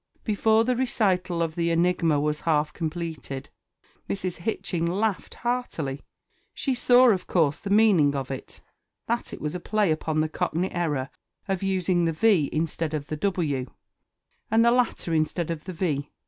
Before the recital of the enigma was half completed, Mrs. Hitching laughed heartily she saw, of course, the meaning of it that it was a play upon the Cockney error of using the V instead of the W, and the latter instead of the V.